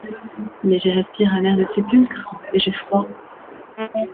Mais j’y respire un air de sépulcre ; et j’ai froid.